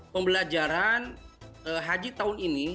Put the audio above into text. pembelajaran haji tahun ini